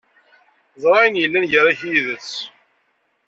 Ẓriɣ ayen yellan gar-ak yid-s.